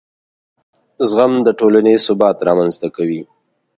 زغم د ټولنې ثبات رامنځته کوي.